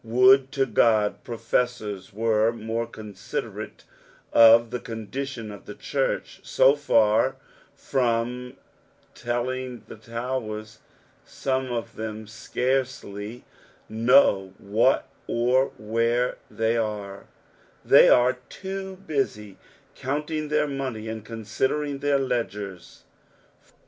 Would to Qod profeasora were mora considerate of the condition of the church ; so far from telling the towers, some of them scarcely know what or where thej are ; they are too busy countiCK their money, and considering their ledgers.